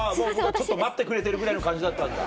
ちょっと待ってくれてるぐらいの感じだったんだ。